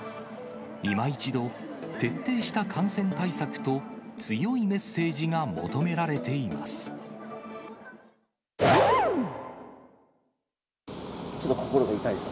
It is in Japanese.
いま一度、徹底した感染対策と強いメッセージが求められています。